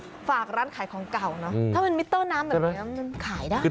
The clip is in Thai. และก็ฝากร้านขายของเก่าเนาะถ้ามิตเตอร์น้ำถ้ามิตเตอร์น้ำมันขายได้